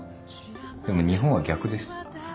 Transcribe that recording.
でも日本は逆です。